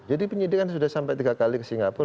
jadi penyidikan sudah sampai tiga kali ke singapura